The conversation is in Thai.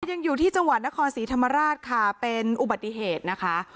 ยังอยู่ที่จังหวัดนครศรีธรรมราชค่ะเป็นอุบัติเหตุนะคะ